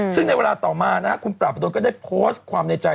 ซึ่งในเวลาต่อมานะฮะคุณปราบประดนก็ได้โพสต์ความในใจ